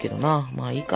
まあいいか。